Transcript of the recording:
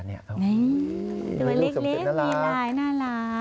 นี่ลูกสมเศษน่ารักตัวนี้มันเล็กน่ารัก